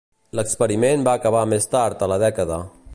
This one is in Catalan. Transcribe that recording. L'experiment va acabar més tard a la dècada.